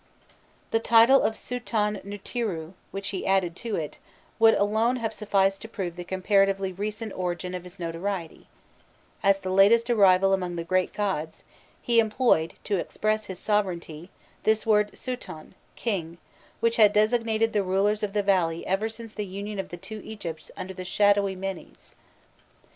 The title of "sûton nûtîrû" which he added to it would alone have sufficed to prove the comparatively recent origin of his notoriety; as the latest arrival among the great gods, he employed, to express his sovereignty, this word "sûton," king, which had designated the rulers of the valley ever since the union of the two Egypts under the shadowy Menés.